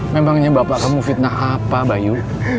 memangnya bapak kamu fitnah apa bayu